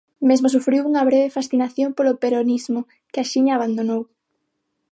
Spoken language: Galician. Mesmo sufriu unha breve fascinación polo peronismo, que axiña abandonou.